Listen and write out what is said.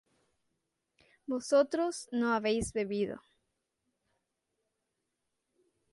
vosotros no habéis bebido